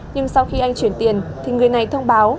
nhưng sau khi anh chuyển tiền thì người này thông báo